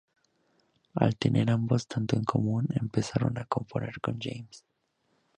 Al tener ambos tanto en común, empezaron a componer con James.